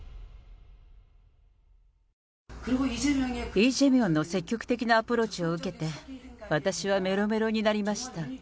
イ・ジェミョンの積極的なアプローチを受けて、私はメロメロになりました。